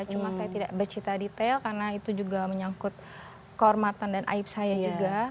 cuma saya tidak bercerita detail karena itu juga menyangkut kehormatan dan aib saya juga